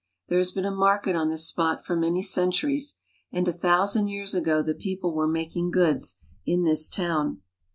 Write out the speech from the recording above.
There has been a market on this spot for many I centuries, and a thousand years ago the people were [making goods in this town.